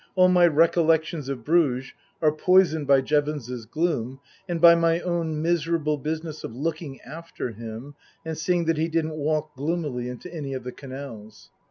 All my recollections of Bruges are poisoned by Jevons's gloom and by my own miserable business of looking after him and seeing that he didn't walk gloomily into any of the canals.